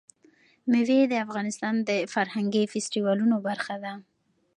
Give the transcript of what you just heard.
مېوې د افغانستان د فرهنګي فستیوالونو برخه ده.